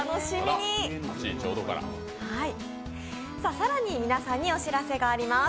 更に皆さんにお知らせがあります。